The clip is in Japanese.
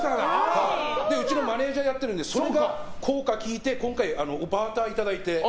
うちのマネジャーやってるのがそれの効果が効いて今回、バーターをいただいて。